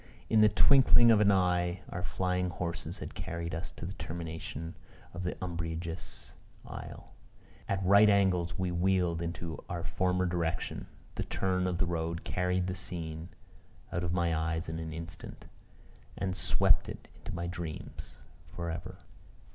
In the twinkling of an eye our flying horses had carried us to the termination of the umbrageous aisle; at right angles we wheeled into our former direction; the turn of the road carried the scene out of my eyes in an instant, and swept it into my dreams for ever.